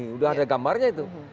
sudah ada gambarnya itu